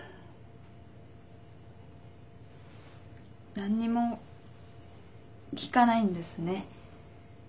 何にも聞かないんですね。